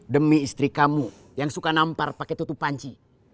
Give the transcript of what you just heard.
demi istri kamu yang suka nampar pakai tutup panci